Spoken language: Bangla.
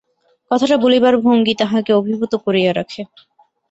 কথাটা বলিবার ভঙ্গি তাহাকে অভিভূত করিয়া রাখে।